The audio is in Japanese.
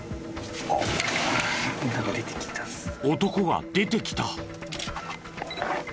男が出てきた。